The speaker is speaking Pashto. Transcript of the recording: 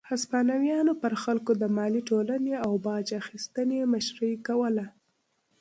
هسپانویانو پر خلکو د مالیې ټولونې او باج اخیستنې مشري کوله.